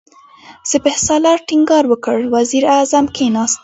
سپهسالار ټينګار وکړ، وزير اعظم کېناست.